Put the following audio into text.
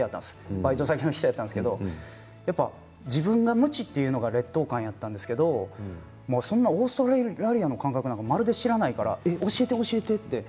バイト先の人やったんですけど自分が無知というのが劣等感があったんですけどオーストラリアの感覚なんかまるで知らないから教えて、教えてって。